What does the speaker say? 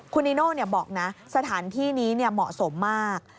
คุณนิโน่บอกนะสถานที่นี้เหมาะสมมาก